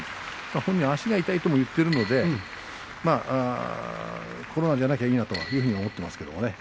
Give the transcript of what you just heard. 本人は足が痛いとも言っているのでコロナじゃなければいいなと思ってますけれどもね。